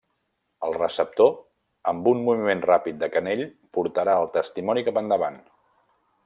El receptor, amb un moviment ràpid de canell portarà el testimoni cap endavant.